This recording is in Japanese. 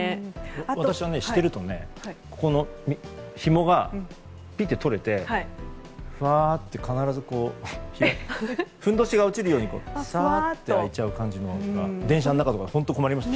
私はしているとひもが、ぴって取れてふわーって必ずふんどしが落ちるようにサーッと開いちゃう感じがあって電車の中とか本当に困りました。